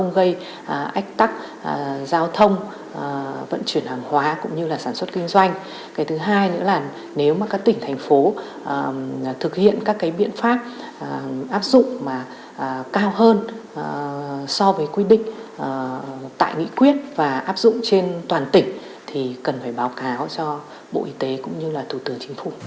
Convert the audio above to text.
và áp dụng trên toàn tỉnh thì cần phải báo cáo cho bộ y tế cũng như là thủ tướng chính phủ